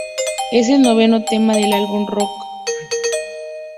Es el noveno tema del álbum Rock and Roll Over.